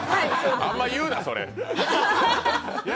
あんま言うな、それ。